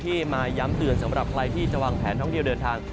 มาย้ำเตือนสำหรับใครที่จะวางแผนท่องเที่ยวเดินทาง